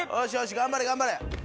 頑張れ頑張れ。